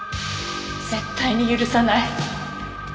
絶対に許さない。